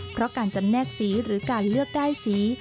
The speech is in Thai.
เพราะการจำแนกสีหรือการเลือกได้สี